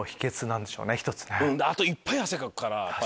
あといっぱい汗かくから。